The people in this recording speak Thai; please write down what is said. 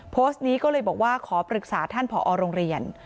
โพสต์นี้ก็เลยบอกว่าขอปรึกษาท่านผอโรงเรียน